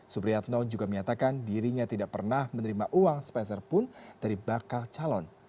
supriyatno juga menyatakan dirinya tidak pernah menerima uang speserpun dari bakal calon